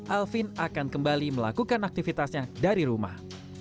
alvin akan kembali melakukan aktivitasnya dari rumah